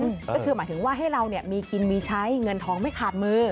ก็คือหมายถึงว่าให้เราเนี่ยมีกินมีใช้เงินทองไม่ขาดมือ